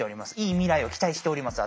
いい未来を期待しております